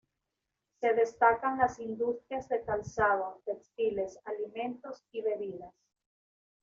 Se destacan las industrias de calzado, textiles, alimentos y bebidas.